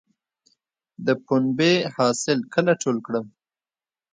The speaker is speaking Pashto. د پنبې حاصل کله ټول کړم؟